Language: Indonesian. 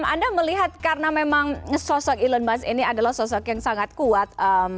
anda melihat karena memang sosok elon musk ini adalah sosok yang sangat kuat